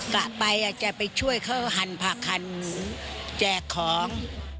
กลับไปอ่ะจะไปช่วยเขาหั่นผักหั่นแจกของ